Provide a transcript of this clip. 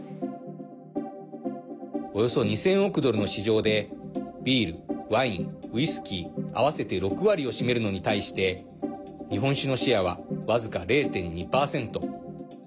およそ２０００億ドルの市場でビール、ワイン、ウイスキー合わせて６割を占めるのに対して日本酒のシェアは僅か０．２％。